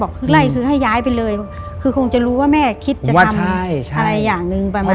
ไล่คือให้ย้ายไปเลยคือคงจะรู้ว่าแม่คิดจะทำอะไรอย่างหนึ่งประมาณ